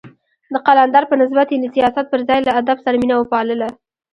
د قلندر په نسبت يې له سياست پر ځای له ادب سره مينه وپالله.